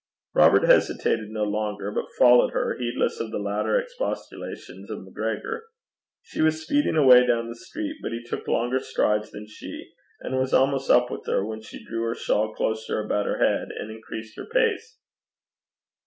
Robert hesitated no longer, but followed her, heedless of the louder expostulations of MacGregor. She was speeding away down the street, but he took longer strides than she, and was almost up with her, when she drew her shawl closer about her head, and increased her pace.